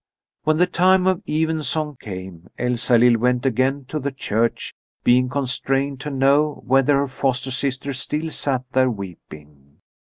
When the time of evensong came Elsalill went again to the church, being constrained to know whether her foster sister still sat there weeping.